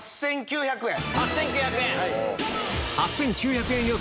８９００円。